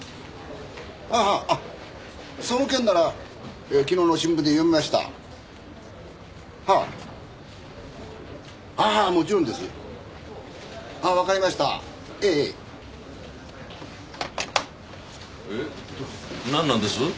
ああその件なら昨日の新聞で読みましたはぁああもちろんですああ分かりましたええええ何なんです？